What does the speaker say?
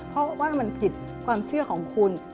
เพราะว่ามันผิดความเชื่อของคุณ